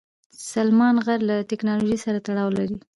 سلیمان غر له تکنالوژۍ سره تړاو لري.